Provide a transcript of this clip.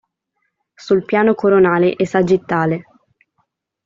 Sul piano coronale e sagittale.